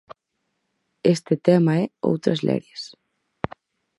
Este tema é 'Outras lerias'.